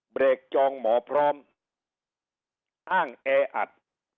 เบรกจองหมอพร้อมอ้างแออัด